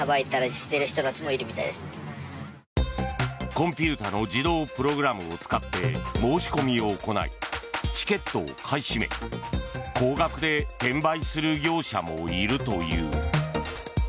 コンピューターの自動プログラムを使って申し込みを行いチケットを買い占め高額で転売する業者もいるという。